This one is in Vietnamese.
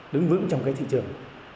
đứng vững trong cái thị trường